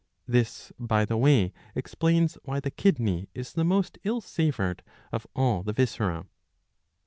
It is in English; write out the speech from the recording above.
(This by the way explains why the kidney is the most ill savoured of all the viscera.)